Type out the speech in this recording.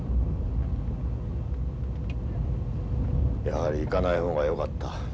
やはり行かない方がよかった。